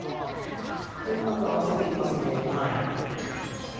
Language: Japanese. うまく合わせていますね。